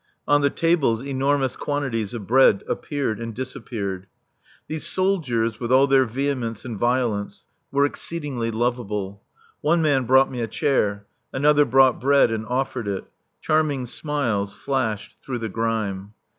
On the tables enormous quantities of bread appeared and disappeared. These soldiers, with all their vehemence and violence, were exceedingly lovable. One man brought me a chair; another brought bread and offered it. Charming smiles flashed through the grime.